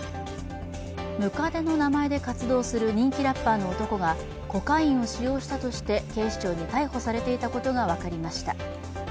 百足の名前で活動する人気ラッパーの男がコカインを使用したとして警視庁に逮捕されていたことが分かりました。